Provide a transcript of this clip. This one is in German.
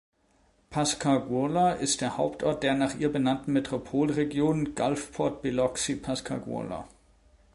Pascagoula ist der Hauptort der nach ihr benannten Metropolregion Gulfport–Biloxi–Pascagoula.